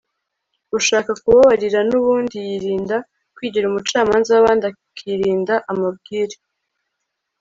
ushaka kubabarira n'ubundi yirinda kwigira umucamanza w'abandi, akirinda amabwire